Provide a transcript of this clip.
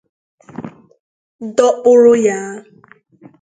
dọkpụrụ ya